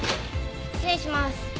失礼します。